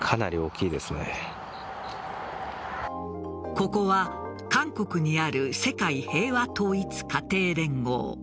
ここは韓国にある世界平和統一家庭連合。